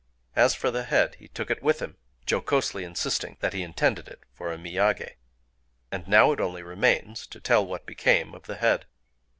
As for the head, he took it with him,—jocosely insisting that he intended it for a miyagé. And now it only remains to tell what became of the head.